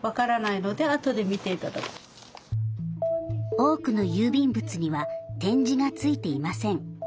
多くの郵便物には点字がついていません。